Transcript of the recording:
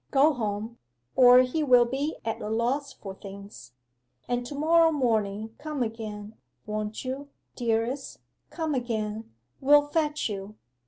Go home, or he will be at a loss for things. And to morrow morning come again, won't you, dearest, come again we'll fetch you.